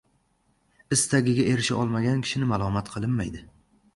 Istagiga erisha olmagan kishini malomat qilinmaydi.